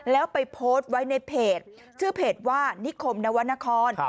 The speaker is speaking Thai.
แล้วไปโพสต์ไว้ในเพจชื่อเพจว่านิคมนวรรณคร